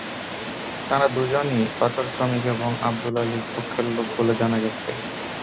তাঁরা দুজনই পাথরশ্রমিক এবং আবদুল আলীর পক্ষের লোক বলে জানা গেছে।